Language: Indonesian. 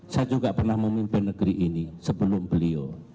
saya juga pernah memimpin negeri ini sebelum beliau